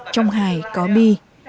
trong hài có bi